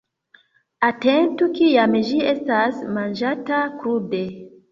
Atentu kiam ĝi estas manĝata krude.